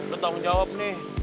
lo tanggung jawab nih